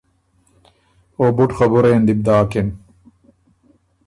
او بُډ خبُرئ ان دی بو داکِن۔